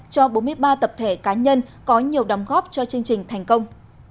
cho bốn mươi ba tập thể cá nhân có nhiều đóng góp cho chương trình thành công